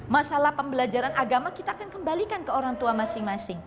masalah pembelajaran agama kita akan kembalikan ke orang tua masing masing